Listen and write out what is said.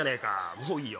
もういいよ！